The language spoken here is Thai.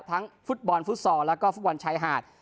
ทั้งฟุตบอลฟุตศแล้วฟุตบอลไชว์หาด